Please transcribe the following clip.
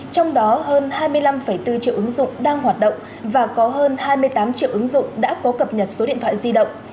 trong đó hơn hai mươi năm bốn triệu ứng dụng đang hoạt động và có hơn hai mươi tám triệu ứng dụng đã có cập nhật số điện thoại di động